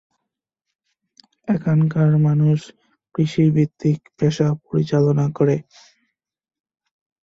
এখানকার মানুষ কৃষি ভিত্তিক পেশা পরিচালনা করে।